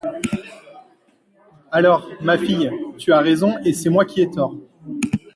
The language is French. Alors, ma fille, tu as raison et c'est moi qui ai tort.